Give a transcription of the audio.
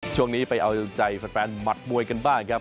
ช่วงนี้ไปเอาใจแฟนหมัดมวยกันบ้างครับ